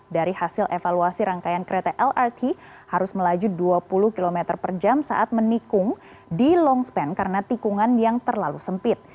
dari hasil evaluasi rangkaian kereta lrt harus melaju dua puluh km per jam saat menikung di longspan karena tikungan yang terlalu sempit